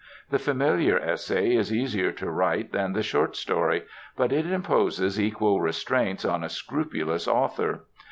The familiar essay is easier to write than the short story, but it imposes equal restraints on a scrupulous author.